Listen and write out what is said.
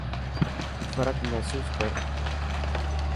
فرق محسوس ڪر.